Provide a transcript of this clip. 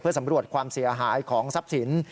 สำรวจความเสียหายของทรัพย์สิน